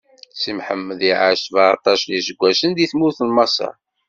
Si Mḥemmed iɛac sbeɛṭac n iseggasen di tmurt n Maṣer.